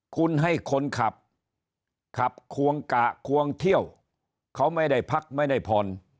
คุณให้คนขับขับควงกะควงเที่ยวเขาไม่ได้พักไม่ได้ผ่อน